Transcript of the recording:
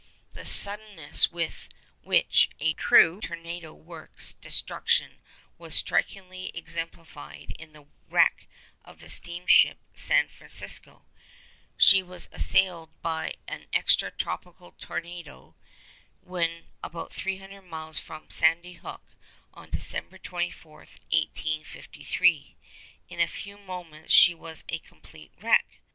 The suddenness with which a true tornado works destruction was strikingly exemplified in the wreck of the steamship 'San Francisco.' She was assailed by an extra tropical tornado when about 300 miles from Sandy Hook, on December 24, 1853. In a few moments she was a complete wreck!